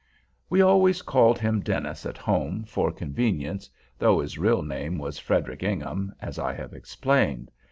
We always called him Dennis at home, for convenience, though his real name was Frederic Ingham, as I have explained.